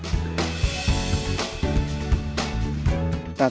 kepala pertanian organik